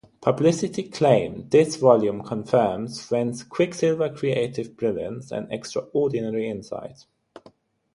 Publicity claimed this volume confirms Friend's quicksilver creative brilliance and extraordinary insight.